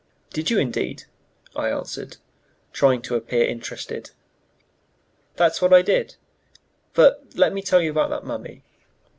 "Did you, indeed?" I answered, trying to appear interested. "That's what I did. But let me tell you about that mummy.